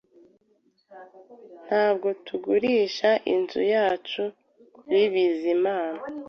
Ntabwo tugurisha inzu yacu kuri Bizimana